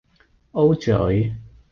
O 嘴